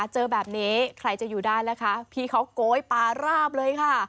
เจอแบบนี้ใครจะอยู่ได้นะคะพี่เขาโกยปาราบเลยค่ะ